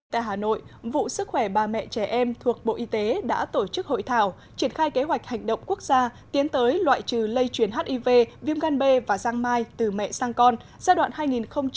tại hà nội vụ sức khỏe bà mẹ trẻ em thuộc bộ y tế đã tổ chức hội thảo triển khai kế hoạch hành động quốc gia tiến tới loại trừ lây chuyển hiv viêm gan b và giang mai từ mẹ sang con giai đoạn hai nghìn một mươi một hai nghìn hai mươi